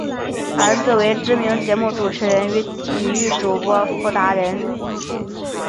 儿子为知名节目主持人与体育主播傅达仁。